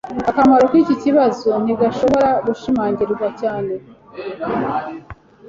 Akamaro k'iki kibazo ntigashobora gushimangirwa cyane.